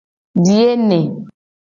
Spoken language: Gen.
Biye ne.